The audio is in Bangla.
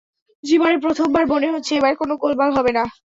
জীবনে প্রথমবার মনে হচ্ছে, এবার কোনো গোলমাল হবে না।